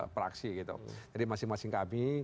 praksi gitu jadi masing masing kami